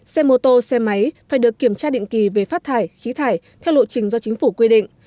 xe mô tô xe máy phải được kiểm tra định kỳ về phát thải khí thải theo lộ trình do chính phủ quy định